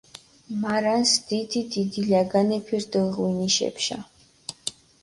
მარანს დიდი-დიდი ლაგვანეფი რდჷ ღვინიში ეფშა.